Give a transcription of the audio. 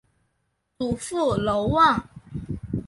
祖父娄旺。